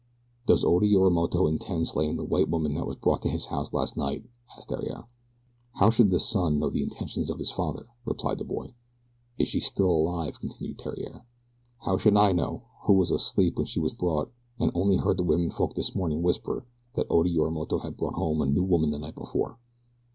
"Does Oda Yorimoto intend slaying the white woman that was brought to his house last night?" asked Theriere. "How should the son know the intentions of his father?" replied the boy. "Is she still alive?" continued Theriere. "How should I know, who was asleep when she was brought, and only heard the womenfolk this morning whispering that Oda Yorimoto had brought home a new woman the night before."